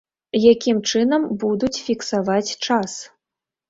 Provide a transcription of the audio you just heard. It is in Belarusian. Якім чынам будуць фіксаваць час?